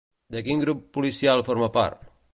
De quin grup policial forma part?